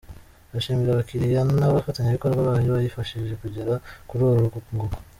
Ashimira abakiliya n’abafatanyabikorwa bayo bayifashije kugera kuri uru rwunguko.